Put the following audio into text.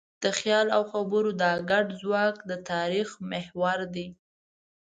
د خیال او خبرو دا ګډ ځواک د تاریخ محور دی.